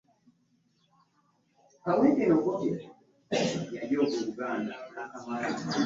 Kuno kwaliko n'abaserikale babiri.